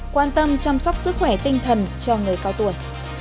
quan tâm chăm sóc sức khỏe tinh thần cho người cao tuổi